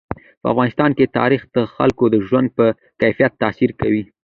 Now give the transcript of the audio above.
په افغانستان کې تاریخ د خلکو د ژوند په کیفیت تاثیر کوي.